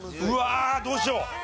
うわあどうしよう！